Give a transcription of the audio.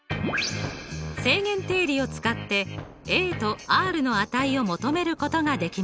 正弦定理を使ってとＲの値を求めることができました。